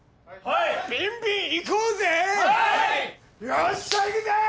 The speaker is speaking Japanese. よっしゃいくぜー！